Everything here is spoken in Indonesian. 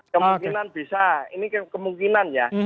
kemungkinan bisa ini kemungkinan ya